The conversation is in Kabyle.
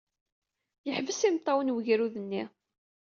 Yeḥbes imeṭṭawen wegrud-nni.